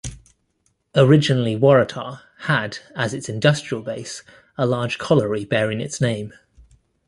Originally Waratah had as its industrial base a large colliery bearing its name.